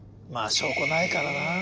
まあ証拠ないからな。